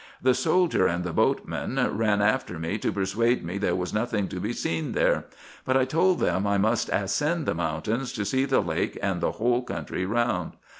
The soldier and the boatmen ran after me, to persuade me there was nothing to be seen there ; but I told them I must ascend the mountains to see the lake and the whole country round.